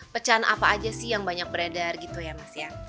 pecahan apa aja sih yang banyak beredar gitu ya mas ya